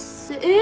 え！